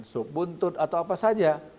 sup buntut atau apa saja